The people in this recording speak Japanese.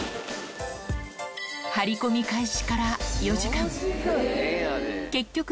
張り込み開始から４時間。